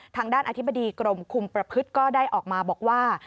ทางด้านอธิบดีกรมคุมประพฤติก็ได้ออกมาบอกว่า